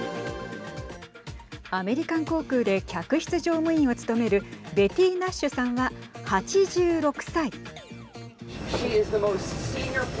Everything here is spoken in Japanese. アメリカン航空で客室乗務員を務めるベティ・ナッシュさんは８６歳。